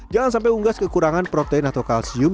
jangan sampai unggas kekurangan protein atau kalsium